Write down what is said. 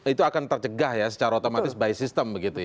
itu akan tercegah ya secara otomatis by system begitu ya